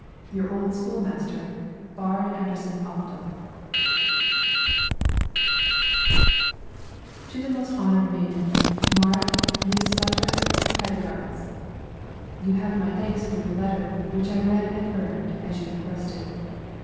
Your old school master, BAARD ANDERSEN OPDAL. TO THE MOST HONORED MAIDEN, MARIT KNUDSDATTER HEIDEGARDS: You have my thanks for your letter, which I have read and burned, as you requested.